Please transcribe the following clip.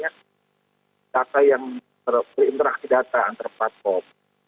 kata yang berinteraksi data antara platform